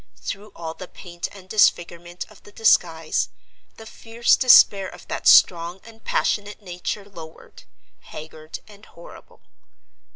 Through all the paint and disfigurement of the disguise, the fierce despair of that strong and passionate nature lowered, haggard and horrible.